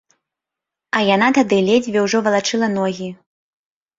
А яна тады ледзьве ўжо валачыла ногі.